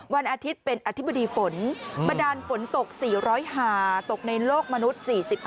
วันอาทิตย์เป็นอธิบดีฝนบันดาลฝนตก๔๐หาตกในโลกมนุษย์๔๕